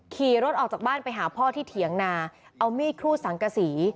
ขี่รถออกจากบ้านไปหาพ่อที่เถียงนาเอามีดครูดสังกษี